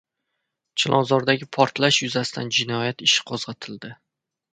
Chilonzordagi portlash yuzasidan jinoyat ishi qo‘zg‘atildi